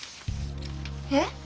えっ？